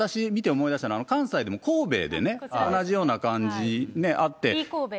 私、見て思い出したのは、関西でも神戸でね、同じような感じね、あって。